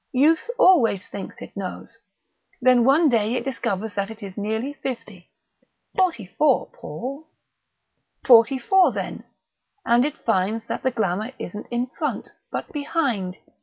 Youth always thinks it knows; then one day it discovers that it is nearly fifty " "Forty four, Paul "" forty four, then and it finds that the glamour isn't in front, but behind.